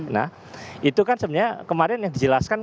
nah itu kan sebenarnya kemarin yang dijelaskan